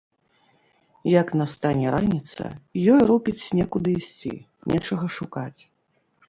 Як настане раніца, ёй рупіць некуды ісці, нечага шукаць.